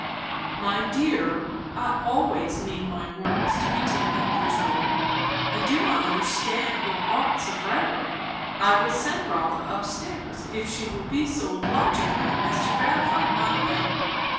"My dear, I always mean my words to be taken literally. I do not understand your arts of rhetoric. I will send Rotha up stairs, if she will be so obliging as to gratify my whim."